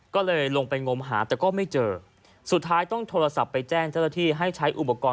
ก็เลยลงไปงมหาแต่ก็ไม่เจอสุดท้ายต้องโทรศัพท์ไปแจ้งเจ้าหน้าที่ให้ใช้อุปกรณ์